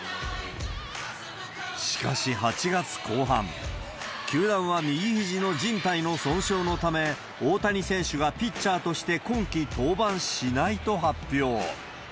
しかし８月後半、球団は右ひじのじん帯の損傷のため、大谷選手がピッチャーとして今季登板しないと発表。